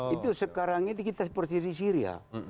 itu sekarang ini kita seperti di syria